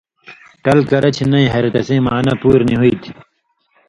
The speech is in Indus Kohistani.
ٹل کرہ چھی نئ ہریۡ تسیں معنا پُوریۡ نی ہو،